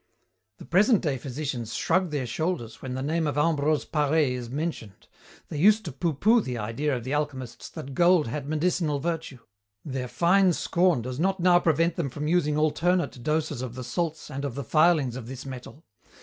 "The present day physicians shrug their shoulders when the name of Ambrose Paré is mentioned. They used to pooh pooh the idea of the alchemists that gold had medicinal virtue. Their fine scorn does not now prevent them from using alternate doses of the salts and of the filings of this metal.